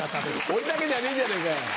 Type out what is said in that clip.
俺だけじゃねえじゃねぇかよ